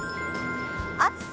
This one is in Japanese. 暑さ